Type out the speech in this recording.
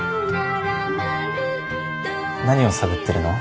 何を探ってるの？